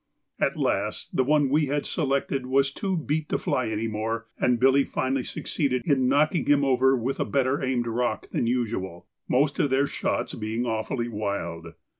At last the one we had selected was too beat to fly any more, and Billy finally succeeded in knocking him over with a better aimed rock than usual, most of their shots being awfully wild.